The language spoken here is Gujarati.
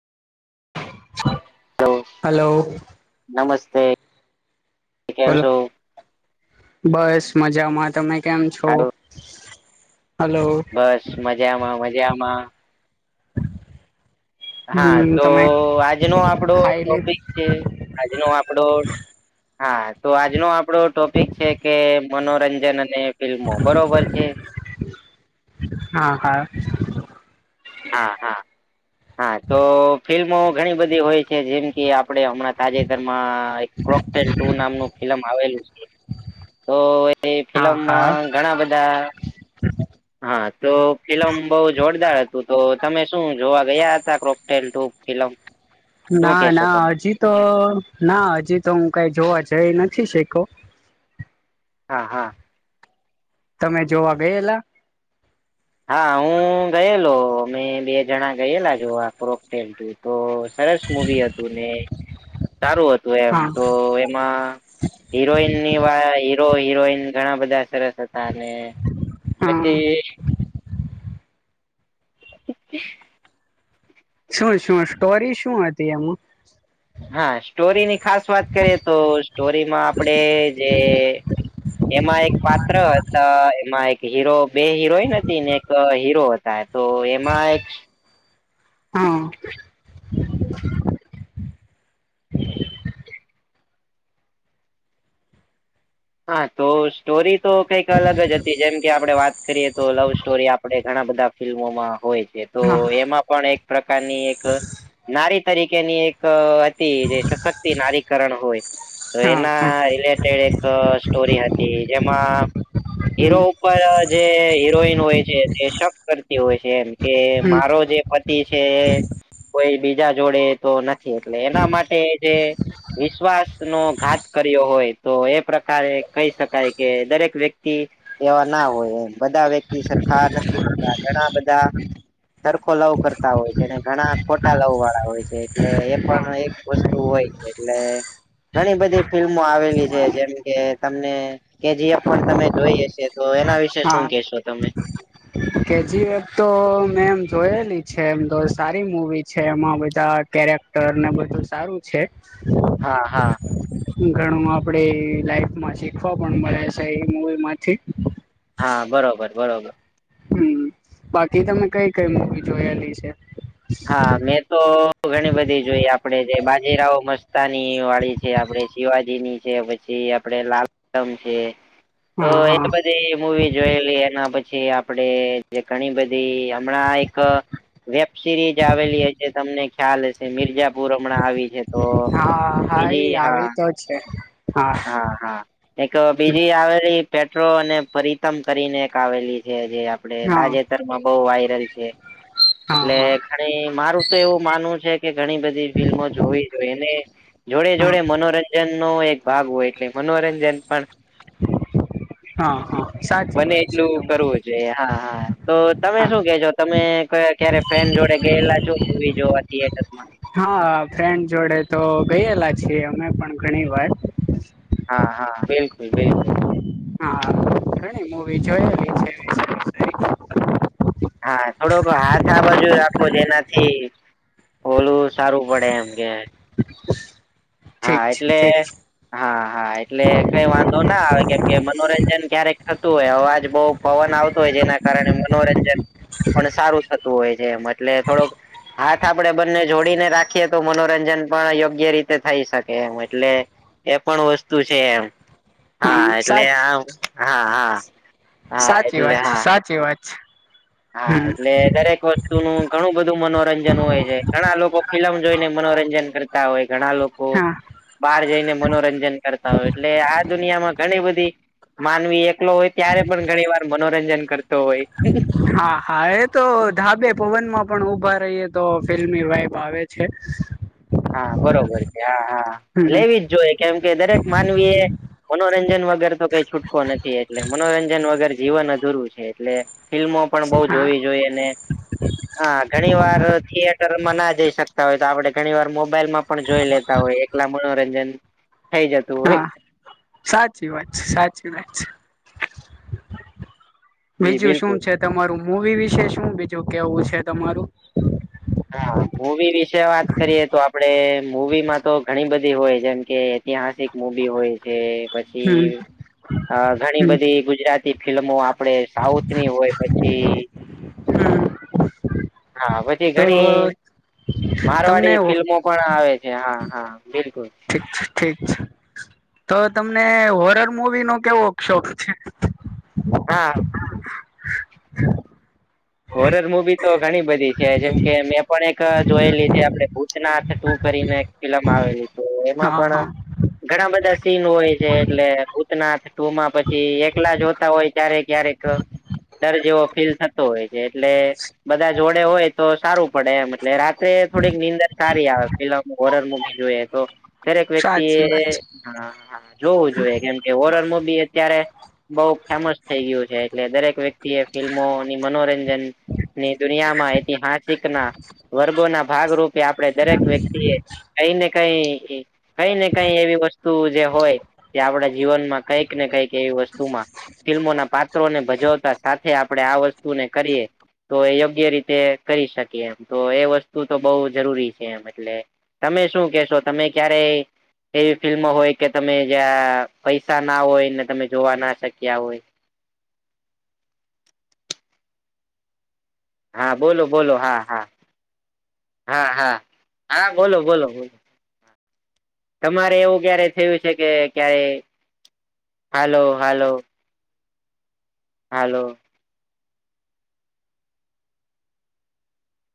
હલો હલો, નમસ્તે. કેમ લો છો બસ મજામાં. તમે કેમ છો? હારું હલો. બસ મજામાં મજામાં. હા હમ તો તમે આજનો આપણો ખાઈ લીધ ટોપિક છે. આજનો આપડો હા તો આજનો આપડો ટોપિક છે કે મનોરંજન અને ફિલ્મો બરોબર છે. હા ક. હા હા. હા તો ફિલ્મો ઘણી બધી હોય છે. જેમ કે આપડે હમણાં જે એમાં એક ક્રોકલ ટુ નામનું ફિલમ આવેલું છે. તો કોઈ એ હા ફિલ્મમાં હા ઘણા બધા હા તો ફિલ્મ બહુ જોરદાર હતું. તો તમે શું જોવા ગયા હતા? ક્રોકટેલ હલોમ. ના ના હજી તો ના હજી તો હું કઈ જોવા જઈ નથી શકો. હા હા. તમે જોવા ગયેલા? હા હું ગયેલો. અ મે બે જણા ગયેલા જોવા ક્રોકટેલ તો સરસ મૂવી હતું ને સારું હતું એમ હા તો એમાં હિરોઈન ની વાય હીરો હિરોઈન ઘણા બધા સરસ. અને હા પછી? અ. છોળ શું સ્ટોરી શું હતી એમ. હા સ્ટોરીની ખાસ વાત કરીએ તો સ્ટોરીમાં આપણેે જે એમાં એક પાત્ર હતા એમા થાય ક હીરો બે હિરોઈન હતી ને એક હીરો હતા તો એમાં એક હા. હા તો સ્ટોરી તો કંઈક અલગ જ હતી જેમ કે આપણે વાત કરીએ તો લવ સ્ટોરી. આપે ઘણા બધા ફિલ્મોમાં હોય છે. તો હા એમાં પણ એક પ્રકારની એક નારી તરીકેની એક હતી જે સશક્તિ નારીકરણ હોય. તો હા એના હા રિલેટેડ એક સ્ટોરી હતી. જેમાં હીરો હમ ઉપર જે હીરોઈન હોય છે તે શક કરતી હોય છે. કે હમ મારો જે પતિ છે. કોઈ બીજા જોડે તો નથી એના માટે જે વિશ્વાસ નો ઘાત કર્યો હોય તો એમ. પ્રકારે કહી શકાય કે દરેક વ્યક્તિ એવા ના હોય બધા વ્યક્તિ સરખા નથી હોતા. ઘણા બધા સરખો લવ કરતા હોય છે. ઘણા ખોટા લવ વાળા હોય છે. એટલે એ પણ હા એક વત હોય છે એટલે ઘણી બધી ફિલ્મો આવેલી છે. જેમ કે તમને કે જએફ પણ તમે જોઈએ છે. તો એના વિશે શું કેશો તમે? કેજી તો મેં એમ જોયેલી છે. એમ તો સારી મુવી છે. એમાં બધા કેક ર ને બધું સારું છે. હા હા. ઘણું આપડે લાઈફમાં શીખવા પણ મળે છે. એ મુવી માંથી હા બરોબર બરોબર. હમ બાકી તમે કઈ કઈ મુવી જોયેલી છે? હા મે. તો ઘણી બધી જોઈએ આપડે જે બાજીરાઓ મસ્તાની વાળી છે. આપડે શિવાજી ની છે. પછી પછી આપડે લાલમ છે. તો હા એ હા બધી મુવી જોઈ લીએ. એના પછી આપડે જે ઘણી બધી હમણાં એક સિરીઝ આવેલી હશે. તમને ખ્યાલ હશે મિરજાપુર હમણાં આવી છે. તો હા હા બીજી એ હા આવી તો છે હા. હા હા. એક બીજી આવેલી પેટ્રો અને પરિતમ કરીને એક આવેલી છે. જે ને હા તાજેતરમાં બવ વાયરલ છે. હા એટલે હા ઘણી મારું તો એવું માનવું છે કે ઘણી બધી ફિલ્મો જોવી જોઈને જોડે હા જોડે મનોરંજન નો એક ભાગ હોય. એટલે મનોરંજન પણ હા હા સાચી બને વાત છે. એટલું કરવું હા હા તો તમે હા શું કેજો તમે ક્યાં ફ્રેન્ડ જોડે ગયેલા જો મવી જોવા થિયેટર માં હ ફ્રેન્ડ જોડે તો ગયેલા છીએ. અમે પણ ઘણી વાર હા હા બિલકુલ બિલકુલ. હા મુવી જોયેલી છે. ઠીક હા થોડોક હાથ આ બાજુ રાખવો. જેનાથી ખોલવું સારું પડે. એમ કે છે હા ઠીક એટલે. છે હા હા એટલે કઈ વાંધો ના આવે કેમ કે મનોરંજન ક્યારેક થતું હોય. અવાજ બોવ પવન આવતો હોય જેના કારણે મનોરંજન પણ સારું થતું હોય છે. એમ એટલે થોડોક હાથ આપડે બંને જોડીને રાખીએ તો મનોરંજન પણ યોગ્ય રીતે થઈ શકે એમ એટલે એ પણ વસ્તુ છે એમ. હા એટલે આ હા હા હા એટલે હા. છી. હા એટલે દરેક વસ્તુ નું ઘણું બધું મનોરંજન હોય. ઘણા લોકો ફિલમ જોઈને મનોરંજન કરતા હોય. ઘણા લોકો હા બહાર જઈને મનોરંજન કરતા હોય. એટલે આ દુનિયામાં ઘણી બધી માનવી એકલો હોય ત્યારે પણ ઘણી વાર મનોરંજન કરતો હોય. હા હા એ તો ઢાબે પવનમાં પણ ઉભા રહીએ તો ફિલ્મી વાઈબ આવે છે. હા બરોબર છે. હા હા હમ લેવી જ જોઈએ. કેમ કે દરેક માનવી એ મનોરંજન વગર તો કઈ છૂટકો નથી. એટલે મનોરંજન વગર જીવન અધૂરું છે. એટલે ફિલ્મો પણ બઉુ હા જોવી જોઈએ અને હા. ઘણી વાર થિયેટરમાં ના જઈ શકતા હોય તો આપડે ઘણી વાર મોબાઈલમાં પણ જોઈ લેતા હોય. એકલા મનોરંજન થઈ શકે હા સાચી વાત છે. સાચી વાત છે. જી બીજું શું બિલકુલ છે? તમારું મૂવી વિશે શું બીજું કેહવું છે તમારું? હા. મુવી વિશે વાત કરીએ તો આપ આપડે મૂવી માં તો ઘણી બધી હોય જેમ કે ઐતિહાસિક મુવી હોય. એ પછી હમ અ ઘણી હમ બધી ગુજરાતી ફિલ્મો આપ આપણે સાઉથની હોય પછી હમ હા. પછી તો ઘણી તમને મારવાડી ફિલ્મો પણ આવે છે. હા હા બિલકુલ. ઠીક છે ઠીક છે તો તમને હોરર મુવી નો કેવો શોખ છે. હા. હોરર મુવી તો ઘણી બધી છે. જેમ કે મેં પણ એક જોયેલી છે. આપણે ભૂતનાથ એક ટુ કરીને એક ફિલમ આવેલી તો એમાં હા પણ હા ઘણા બધા સીન હોય છે. એટલે ભૂતનાથ ટુમાં પછી એકલા જોતા હોય. ક્યારેક ક્યારેક ડર જેવો ફીલ થતો હોય છે. એટલે બધા જોડે હોય તો સારું પડે એમ. એટલે રાત્રે થોડીક નીંદર સારી આવે. ફમ હોરર મુવી જોઈએ તો દરેક વ્યક્તિ સાચી વાત એ હ જોવું જોઈએ કેમ એ ઓરમદી અત્યારે બઉ ફેમસ થઈ ગ્યું છે એટલે દરેક વ્યક્તિ એ ફિલ્મોની મનોરંજ ની દુનિયા માં ઐતિહાસિક ના વર્ગો ના ભાગરૂપે આપણે દરેક વ્યક્તિએ કઈને કઈ કઈ ને કઈ એવી વસ્તુ જે હોય તે આપડા જીવનમાં કંઈક ને કંઈક એવી વસ્તુમાં ફિલ્મોના પાત્રોને ભજવતા સાથે આપણે આ વસ્તુને કરીએ. તો યોગ્ય રીતે કરી શકીએ એમ તો એ વસ્તુ તો બહુ જરૂરી છે. એમ એટલે તમે શું કહેશો? તમે ક્યારેય એવી ફિલ્મ હોય કે તમે જ્યાં પૈસા ના હોય ને તમે જોવા ના શક્યા હોય. હા બોલો બોલો હા હા. હા હા હા બોલો બોલો બોલો. તમારે એવું ક્યારે થયું છે કે ક્યારે. હાલો હાલો. હાલો.